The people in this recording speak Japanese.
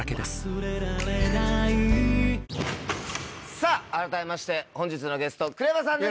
さぁ改めまして本日のゲスト ＫＲＥＶＡ さんです！